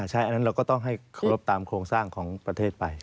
ใช่เราก็ต้องให้รบตามโครงสร้างของประเทศไป